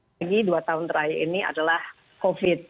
lagi dua tahun terakhir ini adalah covid